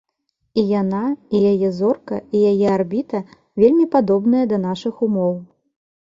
І яна, і яе зорка, і яе арбіта вельмі падобныя да нашых умоў.